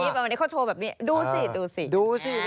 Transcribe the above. ประมาณนี้เขาโชว์แบบนี้ดูสิดูสิ